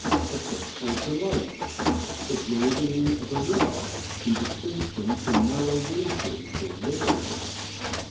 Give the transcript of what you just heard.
— A freshwater lake ; the broadening of a river, in distinction from narrow waters or rivers.